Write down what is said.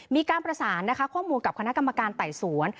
มีการประสานนะคะข้อมูลกับคณะกรรมการไต่สวน